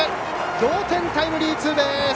同点タイムリーツーベース！